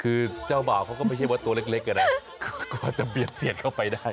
คือเจ้าบ่าวเขาก็ไม่ใช่ว่าตัวเล็กอะนะกว่าจะเบียดเสียดเข้าไปได้